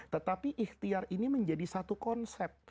tetapi ikhtiar ini menjadi satu konsep